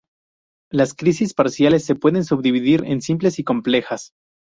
Las crisis parciales se pueden subdividir en "simples" y "complejas".